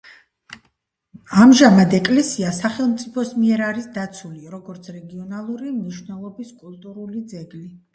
ამჟამად ეკლესია სახელმწიფოს მიერ არის დაცული, როგორც რეგიონალური მნიშვნელობის კულტურული ძეგლი.